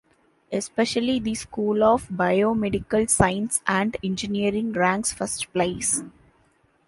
Especially the School of Biomedical Science and Engineering ranks first place.